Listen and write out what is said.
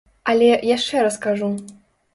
Але, яшчэ раз кажу.